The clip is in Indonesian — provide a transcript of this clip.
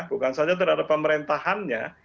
bukan saja terhadap pemerintahannya